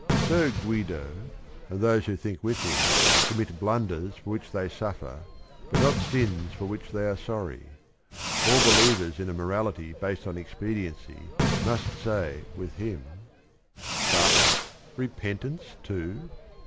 So Guido, and those who think with him, com mit blunders for which they suffer, but not sins for which they are sorry. All believers in a moral ity based on expediency must say with him, "But, repentance too?